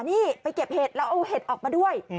นี่ไปเก็บเห็ดแล้วเอาเห็ดออกมาด้วย